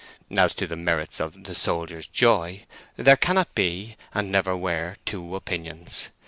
As to the merits of "The Soldier's Joy," there cannot be, and never were, two opinions.